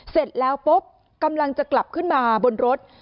เสร็จแล้วปุ๊บกำลังจะกลับขึ้นมาบนรถ